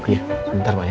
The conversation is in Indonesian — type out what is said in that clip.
iya sebentar ma ya